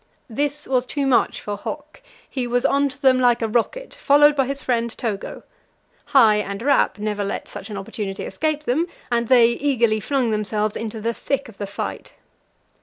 This was too much for Hok; he was on to them like a rocket, followed by his friend Togo. Hai and Rap never let such an opportunity escape them, and they eagerly flung themselves into the thick of the fight.